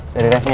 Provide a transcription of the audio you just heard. dari refnya ya